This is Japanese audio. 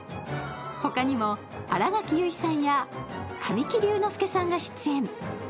他にも新垣結衣さんや神木隆之介さんが出演。